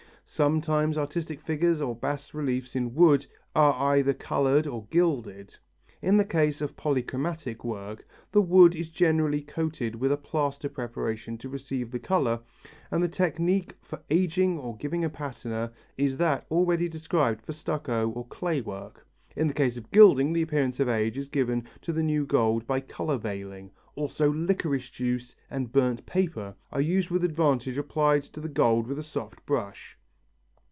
Sometimes artistic figures or bas reliefs in wood are either coloured or gilded. In the case of polychromatic work, the wood is generally coated with a plaster preparation to receive the colour, and the technique for ageing or giving a patina is that already described for stucco or clay work; in the case of gilding, the appearance of age is given to the new gold by colour veiling, also liquorice juice and burnt paper are used with advantage applied to the gold with a soft brush.